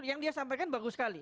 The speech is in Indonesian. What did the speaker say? yang dia sampaikan bagus sekali